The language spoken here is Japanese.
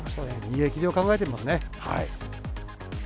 逃げ切りを考えてますね。